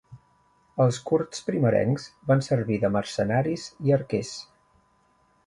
Els kurds primerencs van servir de mercenaris i arquers.